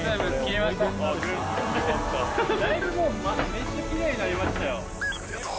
めっちゃキレイになりましたよ。